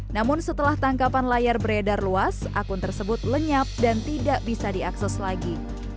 namun setelah tangkapan layar beredar luas akun tersebut lenyap dan tidak bisa diakses lagi